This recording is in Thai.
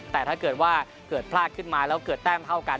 แต่ถ้าเกิดว่าเกิดพลาดขึ้นมาแล้วเกิดแต้มเท่ากัน